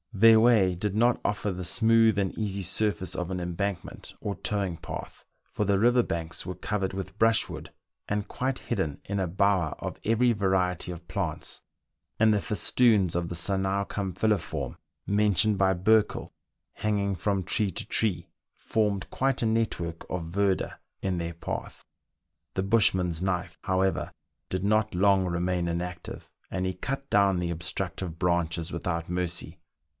Their way did not offer the smooth and easy surface of an embankment or towing path, for the river banks were covered with brushwood, and quite hidden in a bower of every variety of plants; and the fes toons of the " cynauchum filiform," mentioned by Burchell, hanging from tree to tree, formed quite a network of ver dure in their path ; the bushman's knife, however, did not long remain inactive, and he cut down the obstructive branches without mercy.